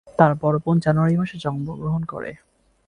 তার বড় বোন জানুয়ারি মাসে জন্মগ্রহণ করে।